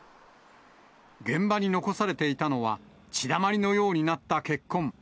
現場に残されていたのは、血だまりのようになった血痕。